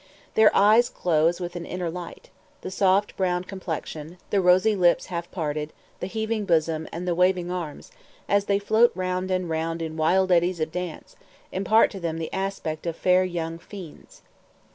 Their eyes glow as with an inner light; the soft brown complexion, the rosy lips half parted, the heaving bosom, and the waving arms, as they float round and round in wild eddies of dance, impart to them the aspect of fair young fiends.